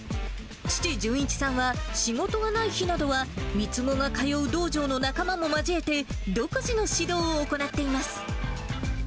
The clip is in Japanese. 父、純一さんは、仕事がない日などは、３つ子が通う道場の仲間も交えて、独自の指導を行っています。